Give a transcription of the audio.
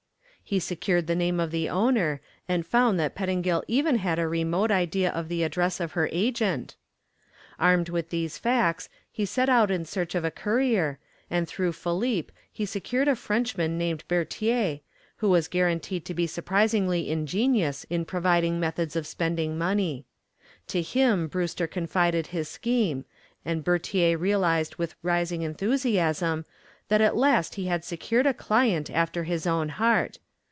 He secured the name of the owner, and found that Pettingill had even a remote idea of the address of her agent. Armed with these facts he set out in search of a courier, and through Philippe he secured a Frenchman named Bertier, who was guaranteed to be surprisingly ingenious in providing methods of spending money. To him Brewster confided his scheme, and Bertier realized with rising enthusiasm that at last he had secured a client after his own heart.